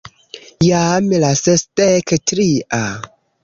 Jam la sesdek tria...